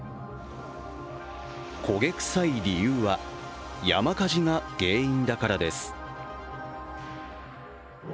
焦げ臭い理由は、山火事が原因だからです。